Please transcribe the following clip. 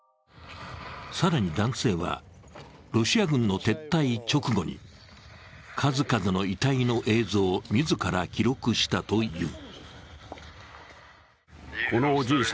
更に男性は、ロシア軍の撤退直後に数々の遺体の映像を自ら記録したという。